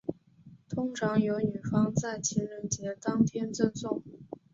通常由女方在情人节当天赠送。